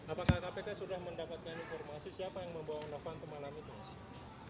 apakah kpk sudah mendapatkan informasi siapa yang membawa novanto malam itu